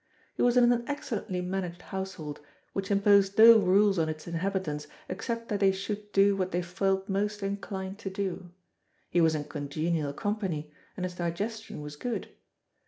He was in an excellently managed household, which imposed no rules on its inhabitants except that they should do what they felt most inclined to do; he was in congenial company, and his digestion was good.